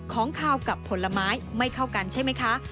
ของขาวกับผลไม้ไม่เข้ากันใช่ไหมคะ